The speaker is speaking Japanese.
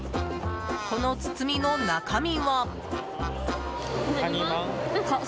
この包みの中身は。